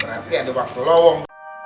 berarti ada waktu lawang